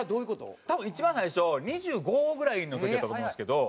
多分一番最初２５ぐらいの時やったと思うんですけど。